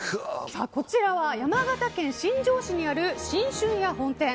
こちらは山形県新庄市にある新旬屋本店。